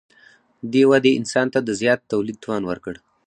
دې ودې انسان ته د زیات تولید توان ورکړ.